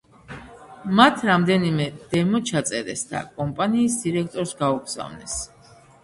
მათ რამდენიმე დემო ჩაწერეს და კომპანიის დირექტორს გაუგზავნეს.